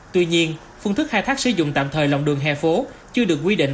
tuy nhiên phương thức khai thác sử dụng tạm thời lòng đường vỉa hè thuộc chưa được quy định